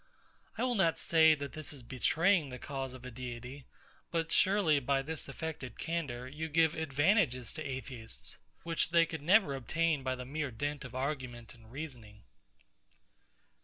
I will not say that this is betraying the cause of a Deity: But surely, by this affected candour, you give advantages to Atheists, which they never could obtain by the mere dint of argument and reasoning.